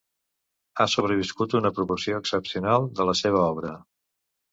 Ha sobreviscut una proporció excepcional de la seva obra.